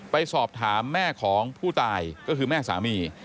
ไปสอบถามแม่ของผู้ตายก็คือแม่สามี